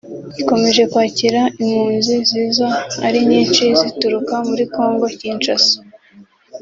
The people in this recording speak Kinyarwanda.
ikomeje kwakira impunzi ziza ari nyinshi zituruka muri Congo Kinshasa